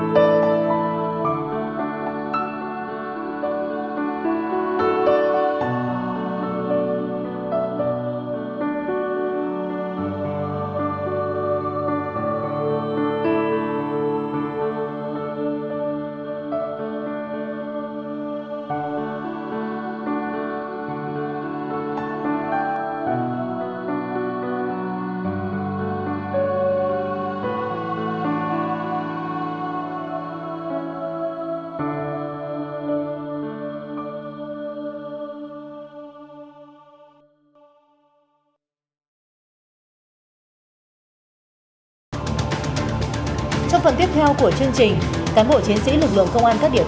bên vui cùng gia đình